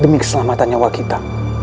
demi keselamatan nyawa kita